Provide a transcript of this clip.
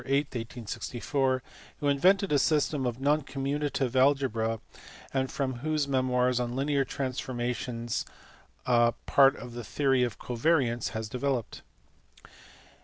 8, 1864, who invented a system of non commuta tive algebra, and from whose memoirs on linear transformations part of the theory of covariants has developed.